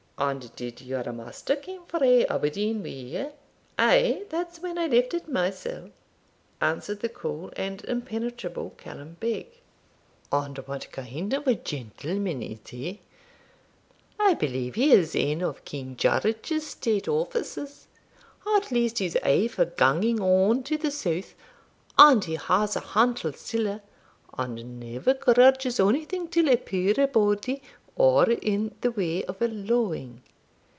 'And did your master come frae Aberdeen wi' you?' 'Ay; that's when I left it mysell,' answered the cool and impenetrable Callum Beg. 'And what kind of a gentleman is he?' 'I believe he is ane o' King George's state officers; at least he's aye for ganging on to the south, and he has a hantle siller, and never grudges onything till a poor body, or in the way of a lawing.'